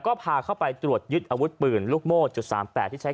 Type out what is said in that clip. ก็พาเข้าไปตรวจยึดอาวุธปืนลูกโม่จุด๓๘ที่ใช้